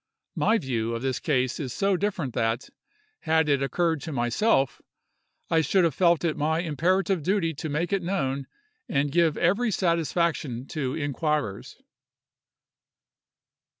My view of this case is so different, that, had it occurred to myself, I should have felt it my imperative duty to make it known and give every satisfaction to inquirers.